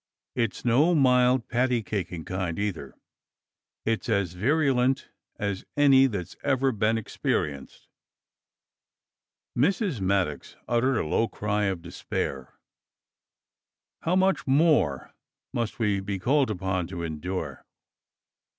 It's no mild, patty caking kind, either. It's as virulent as any that's ever been experienced!" Mrs. Maddox uttered a low cry of despair. "How much more must we be called upon to endure?"